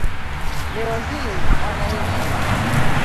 Leo hii wanaishi